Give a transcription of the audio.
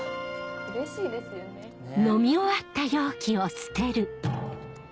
うれしいですよね。ねぇ。